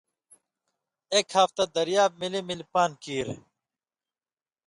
اېک ہفتہ دریاب مِلی مِلی پان٘د کیریۡ۔